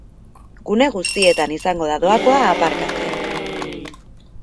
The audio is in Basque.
Gune guztietan izango da doakoa aparkatzea.